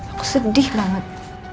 aku sedih banget